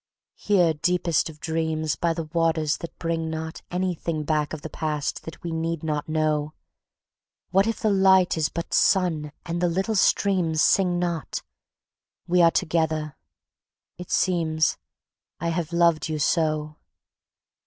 Here, deepest of dreams, by the waters that bring not Anything back of the past that we need not know, What if the light is but sun and the little streams sing not, We are together, it seems... I have loved you so...